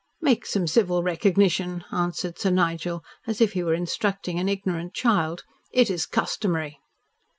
"Make some civil recognition," answered Sir Nigel, as if he were instructing an ignorant child. "It is customary."